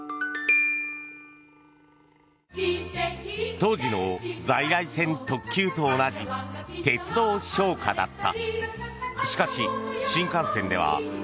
当時の在来線特急と同じ「鉄道唱歌」だった。